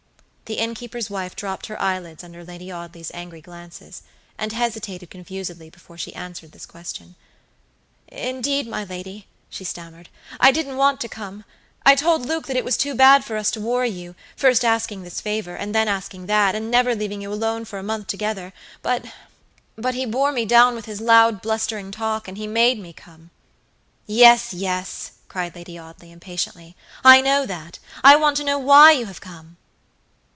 The innkeeper's wife dropped her eyelids under Lady Audley's angry glances, and hesitated confusedly before she answered this question. "Indeed, my lady," she stammered, "I didn't want to come. I told Luke that it was too bad for us to worry you, first asking this favor, and then asking that, and never leaving you alone for a month together; butbuthe bore me down with his loud, blustering talk, and he made me come." "Yes, yes," cried Lady Audley, impatiently. "I know that. I want to know why you have come."